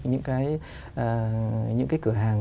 những cái cửa hàng